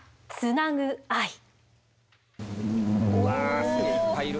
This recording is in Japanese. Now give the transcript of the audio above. うわいっぱいいる。